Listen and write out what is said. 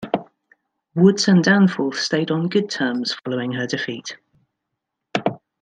Woods and Danforth stayed on good terms following her defeat.